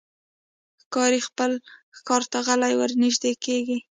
ښکاري خپل ښکار ته غلی ورنژدې کېږي.